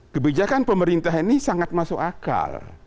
kebijakan pemerintah ini sangat masuk akal